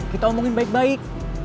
kita omongin baik baik